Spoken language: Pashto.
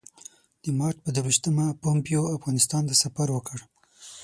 د مارچ پر درویشتمه پومپیو افغانستان ته سفر وکړ.